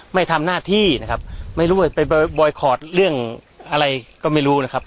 ไม่ทำหน้าที่นะครับไม่รู้ว่าไปบอยคอร์ดเรื่องอะไรก็ไม่รู้นะครับ